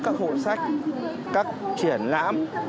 các hộ sách các triển lãm